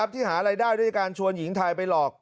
ที่หารายได้ด้วยการชวนหญิงไทยไปหลอก